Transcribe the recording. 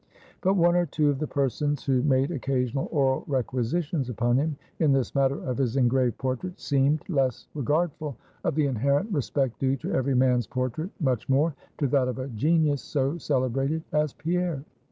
But one or two of the persons who made occasional oral requisitions upon him in this matter of his engraved portrait, seemed less regardful of the inherent respect due to every man's portrait, much more, to that of a genius so celebrated as Pierre.